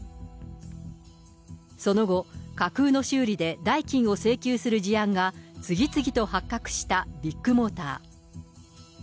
その後、架空の修理で代金を請求する事案が次々と発覚したビッグモーター。